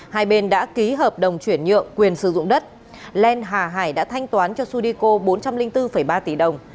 hai bên đã ký hợp đồng chuyển nhượng quyền sử dụng đất len hải hà đã thanh toán cho sudeko bốn trăm linh bốn ba tỷ đồng